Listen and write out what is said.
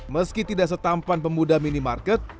meski tidak setampan pemuda minimarket